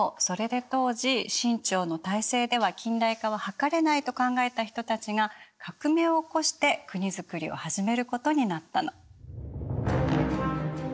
それで当時清朝の体制では近代化を図れないと考えた人たちが革命を起こして国づくりを始めることになったの。